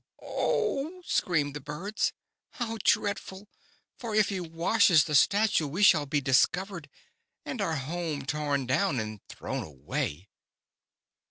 "Oh," screamed the birds, "how dreadful, for if he washes the Statue, we shall be discovered, and our home torn down and thrown away."